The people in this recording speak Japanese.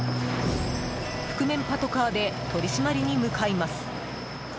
覆面パトカーで取り締まりに向かいます。